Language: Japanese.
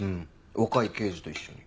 若い刑事と一緒に。